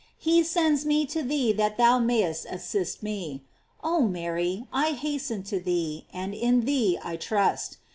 He sends me to thee that thou mayest assist me. Oh Mary, I hasten to thee, and in thee I trust.